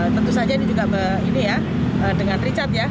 tentu saja ini juga dengan richard ya